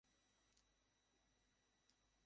তার ওপর সে-ই মেজাজ দেখাচ্ছে।